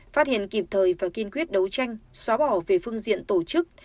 phát hiện kịp thời và kiên quyết đấu tranh xóa bỏ về phương diện tổ chức